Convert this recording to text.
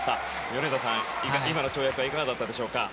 米田さん、今の跳躍はいかがだったでしょうか。